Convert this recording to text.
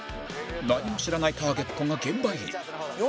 何も知らないターゲットが現場入り